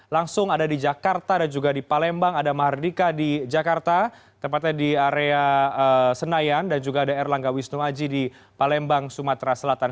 langsung ada di jakarta dan juga di palembang ada mahardika di jakarta tepatnya di area senayan dan juga ada erlangga wisnu aji di palembang sumatera selatan